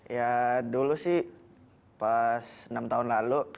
ya dulu sih pas enam tahun lalu